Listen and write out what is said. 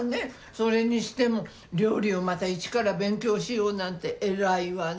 それにしても料理をまた一から勉強しようなんて偉いわね